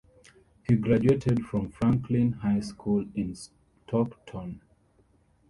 He graduated from Franklin High School in Stockton.